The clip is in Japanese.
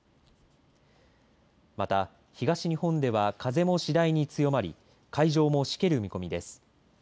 また、東日本では風も次第に強まり海上もしける見込みです。